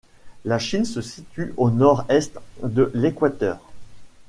La Chine se situe au nord-est de l'Équateur.